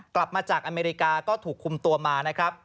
กลับมาจากอเมริกาก็ถูกคุมตัวมานะครับ